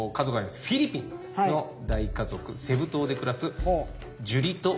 フィリピンの大家族セブ島で暮らすジュリト・ロマノさん一家。